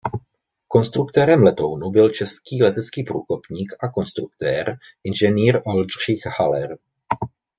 Konstruktérem letounu byl český letecký průkopník a konstruktér ing. Oldřich Haller.